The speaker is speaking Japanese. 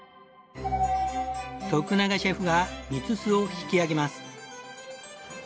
永シェフが蜜巣を引き上げます。